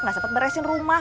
nggak sempet beresin rumah